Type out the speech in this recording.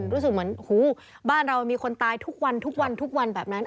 รู้สึกเหมือนหูบ้านเรามีคนตายทุกวันทุกวันทุกวันแบบนั้น